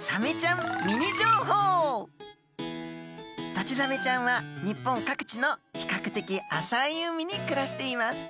ドチザメちゃんは日本各地の比較的浅い海に暮らしています。